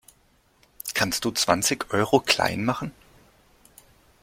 Kannst du zwanzig Euro klein machen?